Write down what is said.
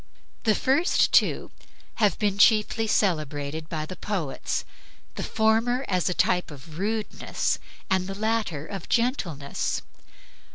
The first two have been chiefly celebrated by the poets, the former as the type of rudeness, the latter of gentleness.